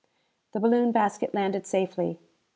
The balloon basket landed safely.